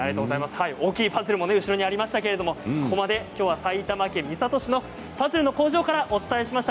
大きいパズルも後ろにありましたけどここまできょうは埼玉県三郷市のパズルの工場からお伝えしました。